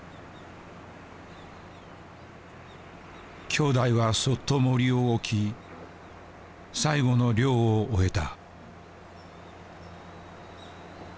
兄弟はそっともりを置き最後の漁を終えた。